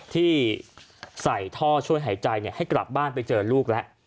ที่ใส่ท่อช่วยหายใจให้กลับบ้านไปเจอลูกแล้ว